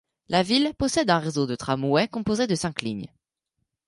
La ville possède un réseau de tramways composé de cinq lignes.